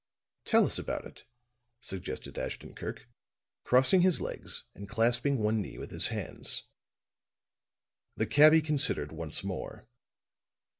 "Tell us about it," suggested Ashton Kirk, crossing his legs and clasping one knee with his hands. The cabby considered once more.